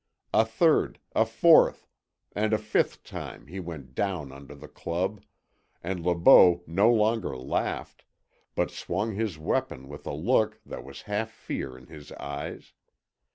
A third, a fourth, and a fifth time he went down under the club, and Le Beau no longer laughed, but swung his weapon with a look that was half fear in his eyes.